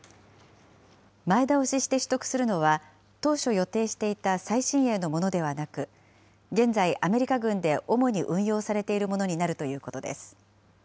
前倒しして取得するのは、当初予定していた最新鋭のものではなく、現在、アメリカ軍で主に運用されているものになるということです。